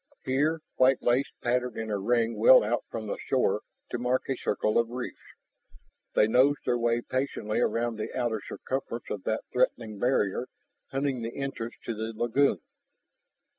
Here white lace patterned in a ring well out from the shore to mark a circle of reefs. They nosed their way patiently around the outer circumference of that threatening barrier, hunting the entrance to the lagoon.